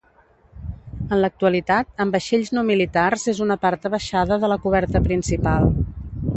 En l'actualitat en vaixells no militars és una part abaixada de la coberta principal.